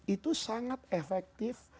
itu sangat efektif